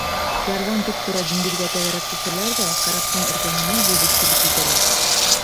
Ярҙан туп-тура диңгеҙгә тәгәрәп төшәләр ҙә караптың эргәһенә йөҙөп килеп етәләр.